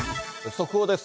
速報です。